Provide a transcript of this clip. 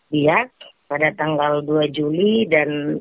biak pada tanggal dua juli dan